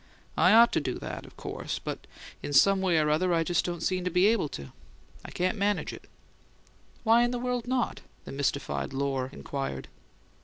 "I ought to do that, of course; but in some way or other I just don't seem to be able to to manage it." "Why in the world not?" the mystified Lohr inquired.